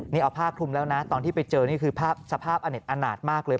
นี่เอาผ้าคลุมแล้วนะตอนที่ไปเจอนี่คือสภาพอเน็ตอนาจมากเลย